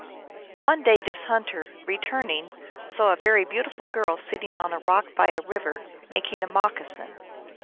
One day this hunter, returning, saw a very beautiful girl sitting on a rock by a river, making a moccasin.